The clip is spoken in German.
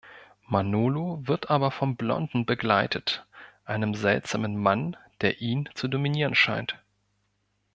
Manolo wird aber vom „Blonden“ begleitet, einem seltsamen Mann, der ihn zu dominieren scheint.